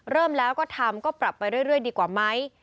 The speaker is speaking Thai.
เริ่มแล้วก็ทำก็ปรับไปเรื่อยดีกว่าไหม